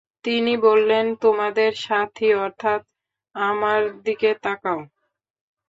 তিনি বললেন, তোমাদের সাথী অর্থাৎ আমার দিকে তাকাও।